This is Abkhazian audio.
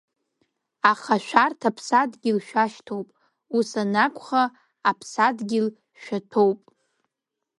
Аха шәарҭ аԥсадгьыл шәашьҭоуп, ус анакәха аԥсадгьыл шәаҭәоуп.